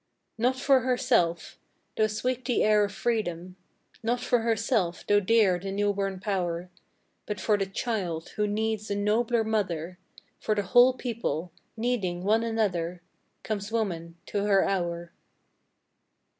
Not for herself! though sweet the air of freedom; Not for herself, though dear the new born power; But for the child, who needs a nobler mother, For the whole people, needing one another, Comes woman to her hour.